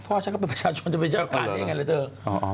พ่อฉันก็เป็นประชาชนจะเป็นเจ้าการอย่างนั้นเลยเถอะ